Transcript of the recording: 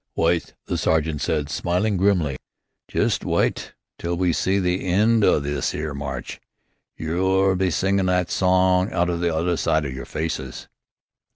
"Wite," the sergeant said, smiling grimly; "just wite till we reach the end o' this 'ere march! You'll be a singin' that song out o' the other side o' yer faces."